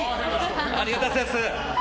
ありがとうございます。